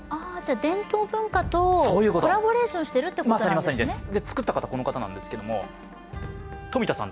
伝統文化とコラボレーションしているということなんですね。